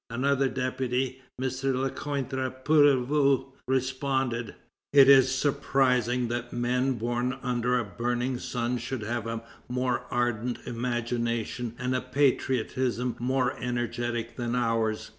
Another deputy, M. Lecointre Puyravaux, responded: "Is it surprising that men born under a burning sun should have a more ardent imagination and a patriotism more energetic than ours?"